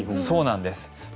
そうなんです。